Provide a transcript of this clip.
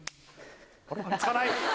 つかない！